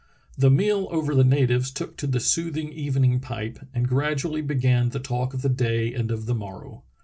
The meal over the natives took to the soothing even ing pipe, and graduall}' began the talk of the day and of the morrow.